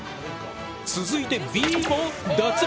続いてＢも脱落！